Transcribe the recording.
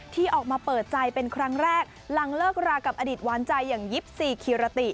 ที่ออกมาเปิดใจเป็นครั้งแรกหลังเลิกรากับอดีตหวานใจอย่างยิปซีคิรติ